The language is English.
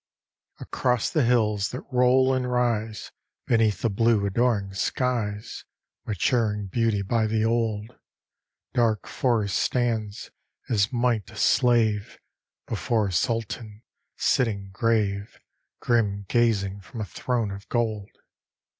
XII Across the hills, that roll and rise Beneath the blue, adoring skies, Maturing Beauty by the old, Dark forest stands, as might a slave Before a Sultan sitting grave, Grim gazing from a throne of gold.